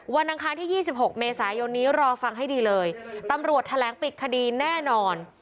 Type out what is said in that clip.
อังคารที่๒๖เมษายนนี้รอฟังให้ดีเลยตำรวจแถลงปิดคดีแน่นอน